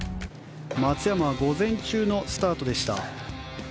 松山は午前中のスタートでした。